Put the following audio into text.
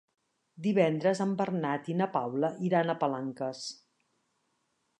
Divendres en Bernat i na Paula iran a Palanques.